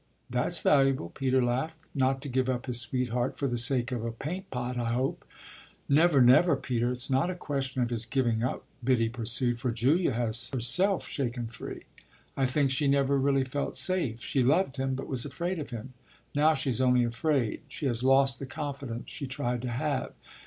"That's valuable," Peter laughed. "Not to give up his sweetheart for the sake of a paint pot, I hope?" "Never, never, Peter! It's not a question of his giving up," Biddy pursued, "for Julia has herself shaken free. I think she never really felt safe she loved him, but was afraid of him. Now she's only afraid she has lost the confidence she tried to have.